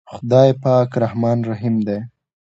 خداے پاک رحمان رحيم دے۔